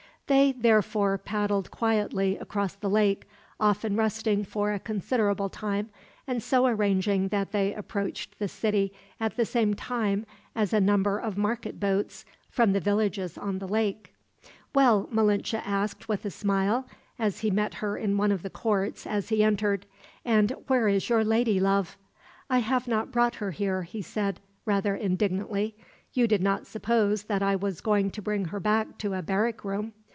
They therefore paddled quietly across the lake, often resting for a considerable time, and so arranging that they approached the city at the same time as a number of market boats, from the villages on the lake. "Well," Malinche asked with a smile, as he met her in one of the courts, as he entered, "and where is your lady love?" "I have not brought her here," he said, rather indignantly. "You did not suppose that I was going to bring her back to a barrack room?